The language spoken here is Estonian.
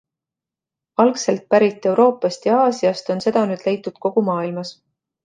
Algselt pärit Euroopast ja Aasiast on seda nüüd leitud kogu maailmas.